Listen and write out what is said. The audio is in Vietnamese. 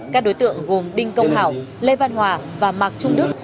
các đối tượng gồm đinh công hảo lê văn hòa và mạc trung đức